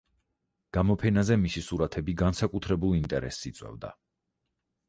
გამოფენაზე მისი სურათები განსაკუთრებულ ინტერესს იწვევდა.